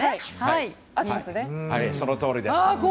そのとおりです。